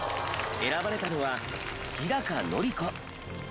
選ばれたのは日のり子。